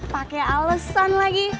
pakai alesan lagi